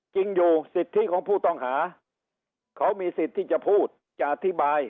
จริงอยู่สิทธิของผู้ต้องหาเขามีสิทธิ์ที่จะพูดจะอธิบาย